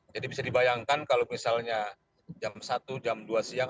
jadi bisa dibayangkan kalau misalnya jam satu jam dua siang